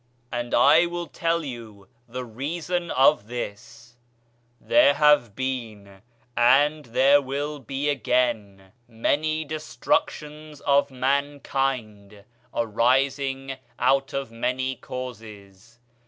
And I will tell you the reason of this: there have been, and there will be again, many destructions of mankind arising out of many causes.